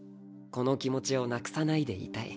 この気持ちをなくさないでいたい。